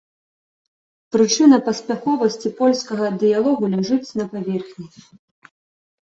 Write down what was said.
Прычына паспяховасці польскага дыялогу ляжыць на паверхні.